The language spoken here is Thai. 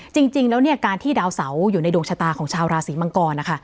จริงแล้วเนี่ยการที่ดาวเสาอยู่ในดวงชะตาของชาวราศีมังกรนะคะ